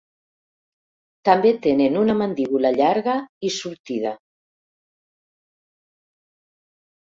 També tenen una mandíbula llarga i sortida.